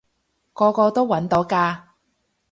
個個都搵到㗎